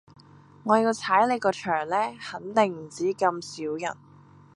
我要踩你個場呢，肯定唔止咁少人